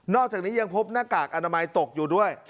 อกจากนี้ยังพบหน้ากากอนามัยตกอยู่ด้วย